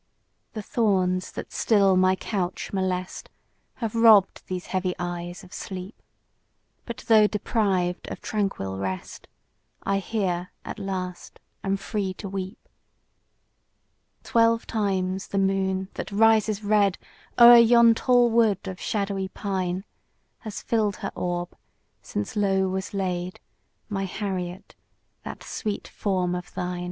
The thorns that still my couch molest, Have robb'd these heavy eyes of sleep; But though deprived of tranquil rest, I here at last am free to weep. Twelve times the moon, that rises red O'er yon tall wood of shadowy pine, Has fill'd her orb, since low was laid My Harriet! that sweet form of thine!